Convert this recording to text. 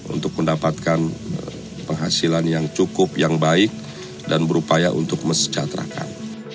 untuk mendapatkan penghasilan yang cukup yang baik dan berupaya untuk mesejahterakan